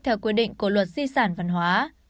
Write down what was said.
theo quy định của luật di sản văn hóa